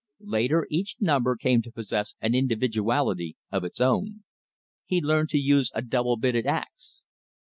Later, each number came to possess an individuality of its own. He learned to use a double bitted ax.